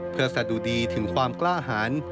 เพื่อสะดุดีถึงความกล้าหาร